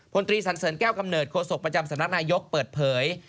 ตรีสันเสริญแก้วกำเนิดโศกประจำสำนักนายกเปิดเผย